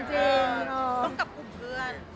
ต้องกับกลุ่มเพื่อน